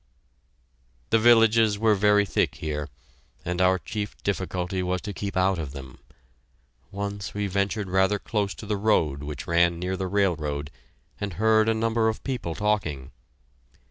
The villages were very thick here, and our chief difficulty was to keep out of them. Once we ventured rather close to the road which ran near the railroad, and heard a number of people talking.